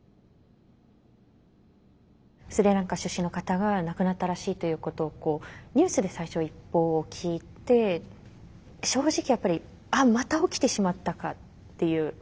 スリランカ出身の方が亡くなったらしいということをニュースで最初一報を聞いて正直やっぱり「あっまた起きてしまったか」っていう